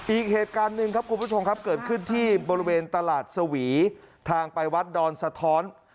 อีกเหตุการณ์หนึ่งครับคุณผู้ชมครับเกิดขึ้นที่บริเวณตลาดสวีทางไปวัดดอนสะท้อน